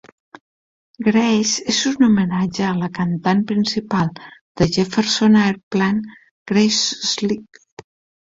"Grace" és un homenatge a la cantant principal de Jefferson Airplane, Grace Slick.